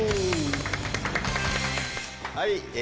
はい